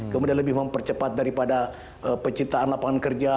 kemudian lebih mempercepat daripada penciptaan lapangan kerja